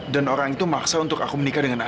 dan orang itu maksa untuk aku menikah dengan alia